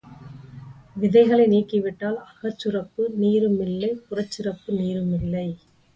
விதைகளை நீக்கிவிட்டால் அகச்சுரப்பு நீருமில்லை, புறச்சுரப்பு நீருமில்லை.